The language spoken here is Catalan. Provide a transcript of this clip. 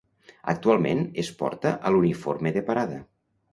Actualment es porta a l'uniforme de parada.